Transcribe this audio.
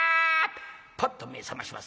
パッと目ぇ覚まします。